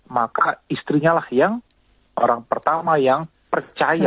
maka istrinyalah yang orang pertama yang percaya